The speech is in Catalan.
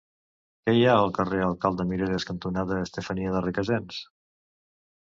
Què hi ha al carrer Alcalde Miralles cantonada Estefania de Requesens?